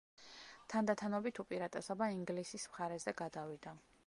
თანდათანობით უპირატესობა ინგლისის მხარეზე გადავიდა.